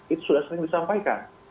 itu sudah sering disampaikan